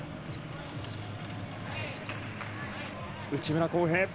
内村航平。